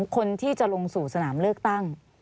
คนที่จะลงสู่สนามเลือกตั้ง